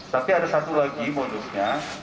tapi ada satu lagi modusnya